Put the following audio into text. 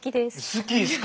好きですか？